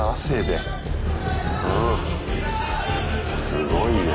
すごいね。